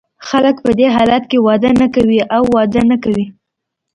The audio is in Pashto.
خلګ په دې حالت کې واده نه کوي او واده نه کوي.